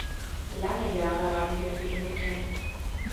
Lange Jahre haben wir für ihn gekämpft.